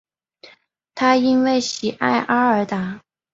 他因为喜爱阿尔达。